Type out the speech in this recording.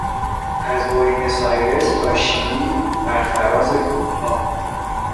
از بوینوس آیرس تا شیلی برفراز کوهها